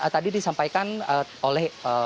tadi disampaikan oleh